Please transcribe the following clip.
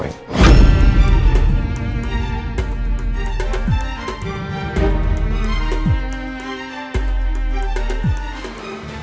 bagaimana cara memperbaiki nomornya